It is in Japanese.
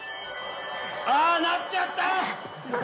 あなっちゃった！